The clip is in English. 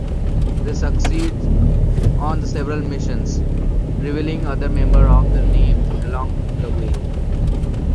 They succeed on several missions, revealing other members of the Named along the way.